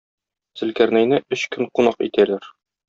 Зөлкарнәйне өч көн кунак итәләр.